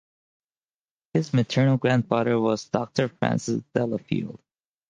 His maternal grandfather was Doctor Francis Delafield.